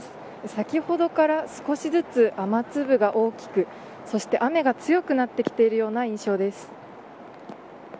先ほどから少しずつ雨粒が大きく、そして雨が強くなってきているような印象です。